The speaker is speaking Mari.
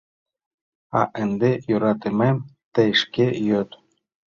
— А ынде, йӧратымем, тый шке йод.